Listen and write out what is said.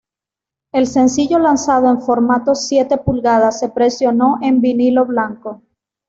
El sencillo lanzado en formato siete pulgadas se presionó en vinilo blanco.